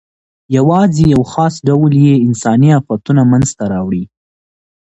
یواځې یو خاص ډول یې انساني آفتونه منځ ته راوړي.